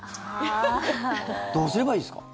どうすればいいですか？